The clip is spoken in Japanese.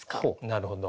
なるほど。